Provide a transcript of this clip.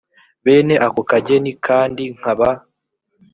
bene ako kageni kandi nkaba